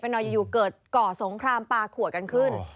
ไปหน่อยเกิดเกาะสงครามป่าขวดกันขึ้น